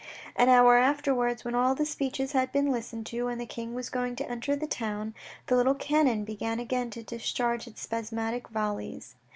An hour afterwards, when all the speeches had been listened to, and the King was going to enter the town, the little cannon began again to discharge its spasmodic volleys.